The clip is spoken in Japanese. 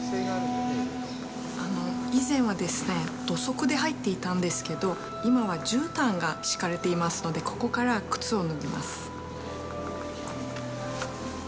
以前はですね、土足で入っていたんですけど、今はじゅうたんが敷かれていますので、ここから靴を脱ぎます。